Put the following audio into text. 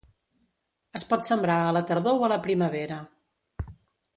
Es pot sembrar a la tardor o a la primavera.